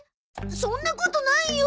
そんなことないよ。